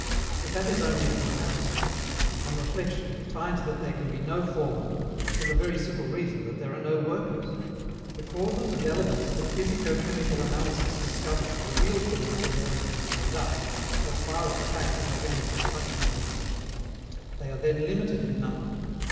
But that is only a comparison; on reflection, we find that there can be no foreman, for the very simple reason that there are no workers. The causes and elements that physico chemical analysis discovers are real causes and elements, no doubt, as far as the facts of organic destruction are concerned; they are then limited in number.